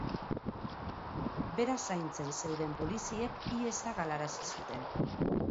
Bera zaintzen zeuden poliziek ihesa galarazi zuten.